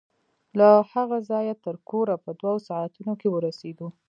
له هغه ځايه تر کوره په دوو ساعتو کښې ورسېدو.